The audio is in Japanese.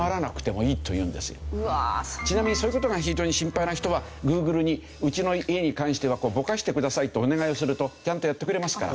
ちなみにそういう事が非常に心配な人はグーグルに「うちの家に関してはぼかしてください」とお願いをするとちゃんとやってくれますから。